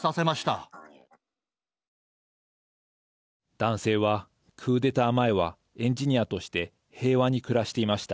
男性は、クーデター前はエンジニアとして平和に暮らしていました。